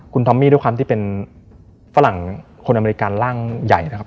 คุณทอมมี่ด้วยความที่เป็นฝรั่งคนอเมริกันร่างใหญ่นะครับ